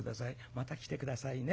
また来て下さいね。